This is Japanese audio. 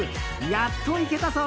やっと行けたぞ！